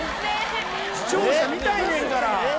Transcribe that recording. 視聴者見たいねんから！